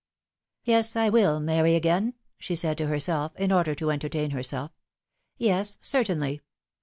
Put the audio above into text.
Yes, I will marry again," said she to herself, in order to entertain herself. ^'Yes, certainly!